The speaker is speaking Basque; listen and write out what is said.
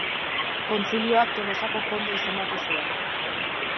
Kontzilioak Tolosako konde izendatu zuen.